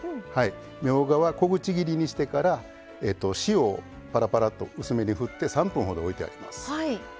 みょうがは小口切りにしてから塩をぱらぱらっと振って薄めに振って３分ほど置いてあります。